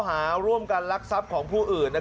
แล้วชุดสืบเขาลงพื้นที่